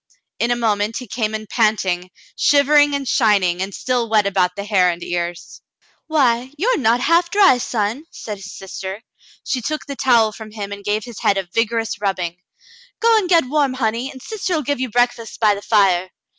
In a moment he came in panting, shivering, and shining, and still wet about the hair and ears. "Why, you are not half dry, son," said his sister. She took the towel from him and gave his head a vigorous rubbing. " Go and get warm, honey, and sister'U give you breakfast by the fire."